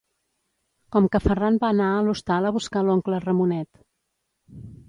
Com que Ferran va anar a l'hostal a buscar l'oncle Ramonet.